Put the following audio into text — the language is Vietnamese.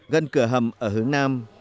gần cửa hầm ở hướng nam